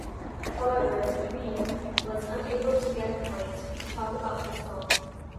However Reeve was unable to get Knight to talk about the song.